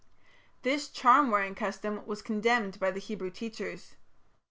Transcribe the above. This charm wearing custom was condemned by the Hebrew teachers.